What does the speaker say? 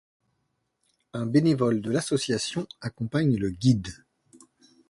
Un bénévole de l'association accompagne le guide.